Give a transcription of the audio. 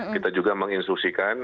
kita juga menginstruksikan